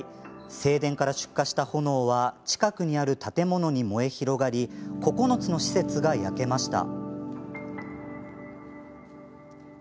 正殿から出火した炎は近くにある建物に燃え広がり９つの施設が焼けました。